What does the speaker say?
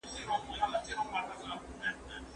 ټیکری یې پر سپینو ویښتو باندې سم کړ.